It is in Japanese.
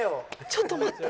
ちょっと待って。